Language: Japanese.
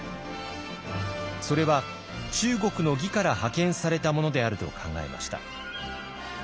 それは中国の魏から派遣されたものであると考えました。